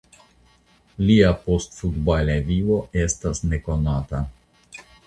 Lia postfutbala vivo estas nekonata.